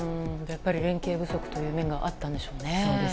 やっぱり連携不足の面があったんでしょうね。